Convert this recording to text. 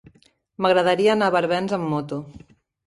M'agradaria anar a Barbens amb moto.